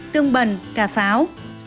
tương bẩn cà pháo